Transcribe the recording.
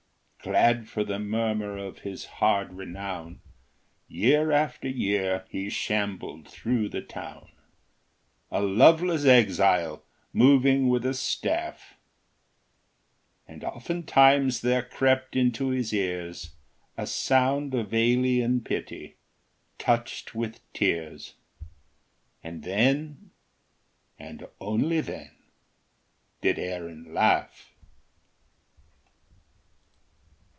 Glad for the murmur of his hard renown, Year after year he shambled through the town, A loveless exile moving with a staff; And oftentimes there crept into his ears A sound of alien pity, touched with tears, And then (and only then) did Aaron laugh.